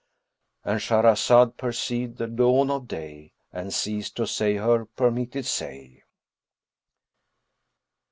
"—And Shahrazad perceived the dawn of day and ceased to say her permitted say.